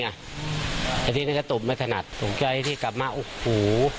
เนี้ยอันนี้มันก็ตบไม่ถนัดสงใจที่กลับมาโอ้โห